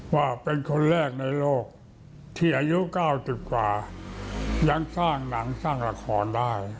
ว่าเป็นคนแรกในโลกที่อายุ๙๐กว่ายังสร้างหนังสร้างละครได้